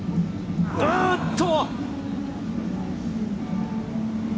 あーっと！